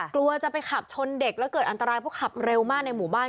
กลัวจะไปขับชนเด็กแล้วเกิดอันตรายเพราะขับเร็วมากในหมู่บ้าน